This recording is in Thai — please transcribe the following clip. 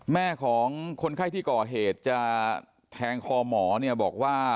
แม่ของคนไข้ที่ก่อเหตุจะแทงคอหมอเนี่ยบอกว่า